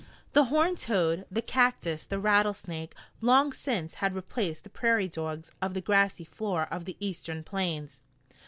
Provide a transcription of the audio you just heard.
The horned toad, the cactus, the rattlesnake long since had replaced the prairie dogs of the grassy floor of the eastern Plains.